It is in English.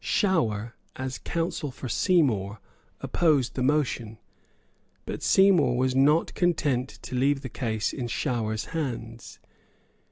Shower, as counsel for Seymour, opposed the motion. But Seymour was not content to leave the case in Shower's hands.